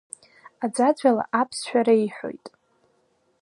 Аӡәаӡәала аԥсшәа реиҳәоит.